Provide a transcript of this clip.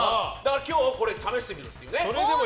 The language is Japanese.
今日これを試してみるっていうね。